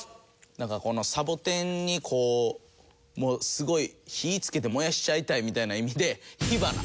なんかこのサボテンにこうもうすごい火つけて燃やしちゃいたいみたいな意味で。